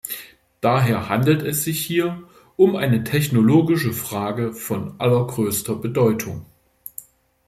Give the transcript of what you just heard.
Daher handelt es sich hier um eine technologische Frage von allergrößter Bedeutung.